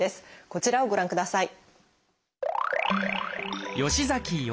こちらをご覧ください。